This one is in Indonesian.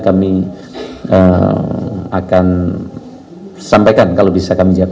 kami akan sampaikan kalau bisa kami jawab